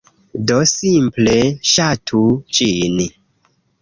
Do simple, ŝatu ĝin.